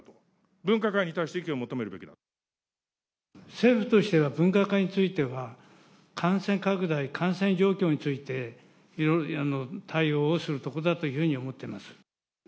分科会に対して意見を求めるべき政府としては分科会については、感染拡大、感染状況について、いろいろ対応をするところだというふうに思っています。